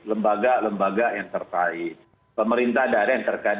lembaga lembaga yang terkait pemerintah daerah yang terkait